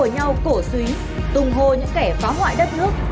nhau cổ suý tung hô những kẻ phá hoại đất nước